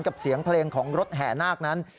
เสียงเพลงของรถแห่นาคนั้น